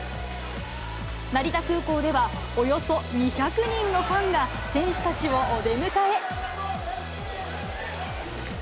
成田空港では、およそ２００人のファンが選手たちをお出迎え。